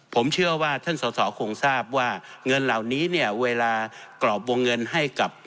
ผมเชื่อว่าท่านสอสอคงทราบว่าเงินเหล่านี้เนี่ยเวลากรอบวงเงินให้กับ